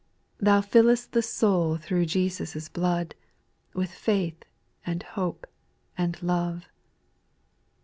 Thou filFst the soul thro' Jesus' blood, With faith, and hope, and love.